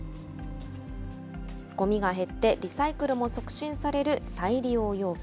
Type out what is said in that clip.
ごみが減ってリサイクルも促進される再利用容器。